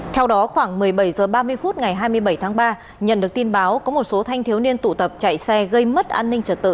theo đó khoảng một mươi bảy h ba mươi phút ngày hai mươi bảy tháng ba nhận được tin báo có một số thanh thiếu niên tụ tập chạy xe gây mất an ninh trật tự